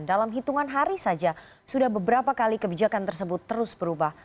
dalam hitungan hari saja sudah beberapa kali kebijakan tersebut terus berubah